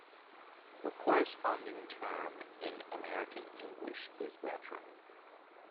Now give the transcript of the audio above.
The corresponding term in American English is veteran.